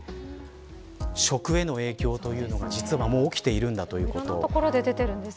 食への影響というのが実は起きているんだということ。